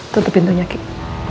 tentu pintunya kek